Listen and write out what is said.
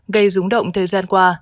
gây rúng động thời gian qua